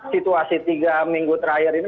situasi tiga minggu terakhir ini